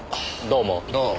どうも。